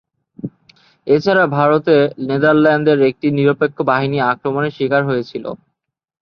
এছাড়া ভারতে নেদারল্যান্ডের একটি নিরপেক্ষ বাহিনী আক্রমণের শিকার হয়েছিল।